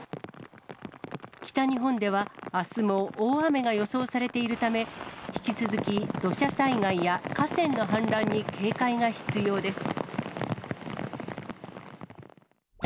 北日本では、あすも大雨が予想されているため、引き続き、土砂災害や河川の氾濫に警戒が必要です。